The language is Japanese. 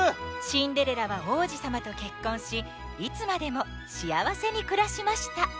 シンデレラはおうじさまとけっこんしいつまでもしあわせにくらしました